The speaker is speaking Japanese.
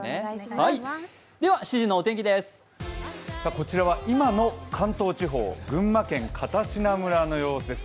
こちらは今の関東地方、群馬県片品村の様子です。